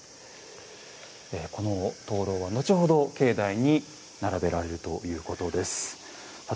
この灯籠は後ほど境内に並べられるということです。